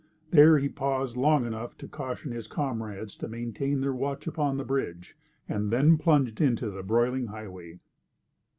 There he paused long enough to caution his comrades to maintain their watch upon the bridge, and then plunged into the broiling highway.